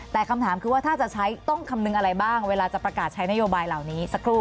แต่คำถามคือว่าถ้าจะใช้ต้องคำนึงอะไรบ้างเวลาจะประกาศใช้นโยบายเหล่านี้สักครู่